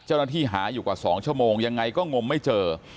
เจ้าหน้าที่หาอยู่กว่า๒ชั่วโมงยังไงก็งมไม่เจอ